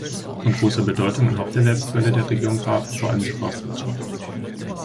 Von großer Bedeutung und Haupterwerbsquelle der Region war vor allem die Forstwirtschaft.